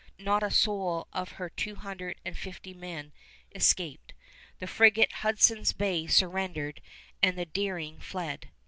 Not a soul of her two hundred and fifty men escaped. The frigate Hudson's Bay surrendered and the Deering fled.